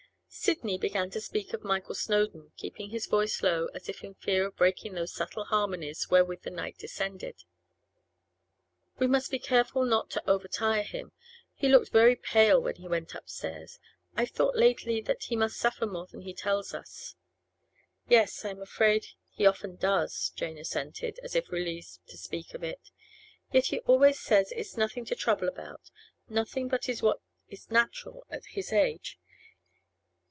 Sidney began to speak of Michael Snowdon, keeping his voice low, as if in fear of breaking those subtle harmonies wherewith the night descended. 'We must be careful not to over tire him, He looked very pale when he went upstairs. I've thought lately that he must suffer more than he tells us.' 'Yes, I'm afraid he often does,' Jane assented, as if relieved to speak of it. 'Yet he always says it's nothing to trouble about, nothing but what is natural at his age.